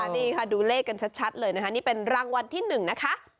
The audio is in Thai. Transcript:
นี่ค่ะดูเลขกันชัดเลยนะคะนี่เป็นรางวัลที่๑นะคะ